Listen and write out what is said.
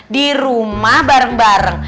di rumah bareng bareng